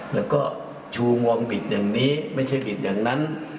แล้วก็ชูงวงผิดอย่างนี้ไม่ใช่ผิดอย่างนั้น